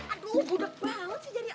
aduh budak banget sih jadi anak